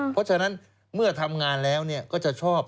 เพราะฉะนั้นเมื่อทำงานแล้วก็จะชอบ